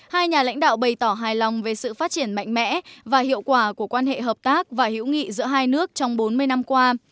hai nhà lãnh đạo bày tỏ hài lòng về sự phát triển mạnh mẽ và hiệu quả của quan hệ hợp tác và hữu nghị giữa hai nước trong bốn mươi năm qua